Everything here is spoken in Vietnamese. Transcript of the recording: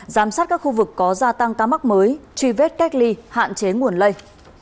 giám sát các khu vực có gia tăng ca mắc mới truy vết cách ly hạn chế nguồn lây